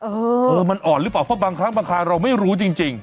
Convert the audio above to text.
เออมันอ่อนหรือเปล่าเพราะบางครั้งบางคราวเราไม่รู้จริง